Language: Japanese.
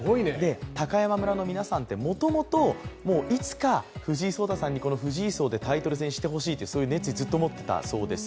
高山村の皆さんって元々藤井聡太さんにこの藤井荘でタイトル戦をしてほしいという熱意をずっと持っていたそうです。